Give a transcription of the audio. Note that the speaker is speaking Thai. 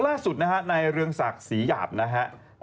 ล่าสุดนะฮะในเรืองศักดิ์ศรีหยาบนะฮะ